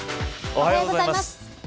おはようございます。